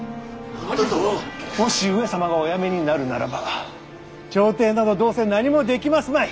もし上様がお辞めになるならば朝廷などどうせ何もできますまい。